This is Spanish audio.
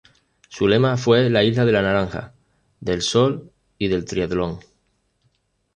Su lema fue "La isla de la naranja, del sol y del triatlón".